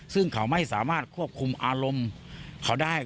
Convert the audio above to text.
ซึ่งเขาไม่สามารถควบคุมอารมณ์เขาได้